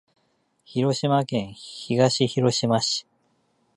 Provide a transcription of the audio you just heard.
広島県東広島市